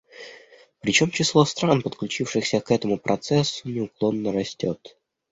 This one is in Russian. Причем число стран, подключившихся к этому процессу, неуклонно растет.